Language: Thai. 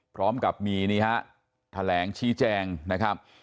พร้อมกับมีนี่ฮะแถลงชี้แจงนะครับ